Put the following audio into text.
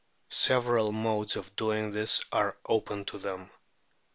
Several modes of doing this are open to them.